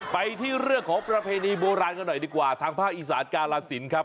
ไปที่เรื่องของประเพณีโบราณกันหน่อยดีกว่าทางภาคอีสานกาลสินครับ